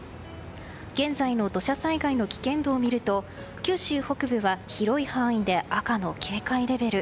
現在の土砂災害の危険度を見ると九州北部は広い範囲で赤の警戒レベル。